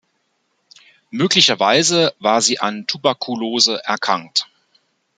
Möglicherweise war sie an Tuberkulose erkrankt.